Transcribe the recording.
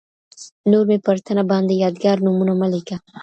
نور مي پر تنه باندي یادګار نومونه مه لیکه ..